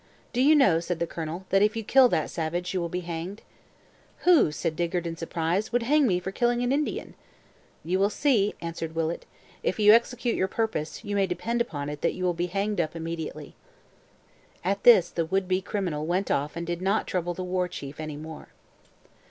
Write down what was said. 'Do you know,' said the colonel, 'that if you kill that savage, you will be hanged?' 'Who,' said Dygert in surprise, 'would hang me for killing an Indian?' You will see,' answered Willet; if you execute your purpose, you may depend upon it that you will be hanged up immediately.' At this the would be criminal went off and did not trouble the War Chief any more.